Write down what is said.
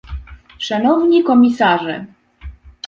Szanowni Komisarze